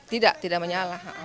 tidak tidak menyala